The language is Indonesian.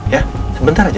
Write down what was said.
ya sebentar aja